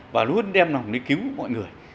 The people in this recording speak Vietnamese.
và luôn đem lòng để cứu mọi người